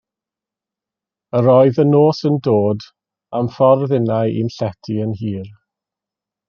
Yr oedd y nos yn dod, a'm ffordd innau i'm llety yn hir.